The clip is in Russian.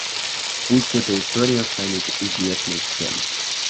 Пусть эта история станет известной всем.